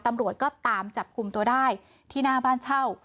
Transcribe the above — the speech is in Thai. ตำรวจก็ตามจับกลุ่มตัวได้ที่หน้าบ้านเช่า